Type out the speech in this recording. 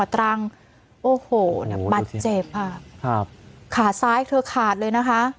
ตรังโอ้โหบัตรเจ็บอ่ะครับขาดซ้ายเธอขาดเลยนะคะ